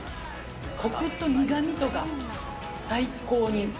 こくと苦みとが最高に。